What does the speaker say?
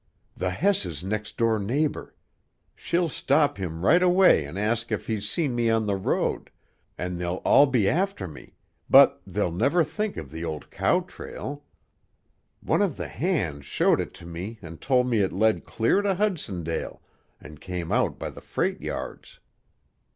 "The Hess's next door neighbor. She'll stop him right away an' ask if he's seen me on the road, an' they'll all be after me, but they'll never think of the old cow trail; one of the hands showed it to me an' told me it led clear to Hudsondale, an' came out by the freight yards."